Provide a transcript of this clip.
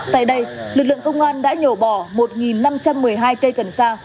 tại đây lực lượng công an đã nhổ bỏ một năm trăm một mươi hai cây cần sa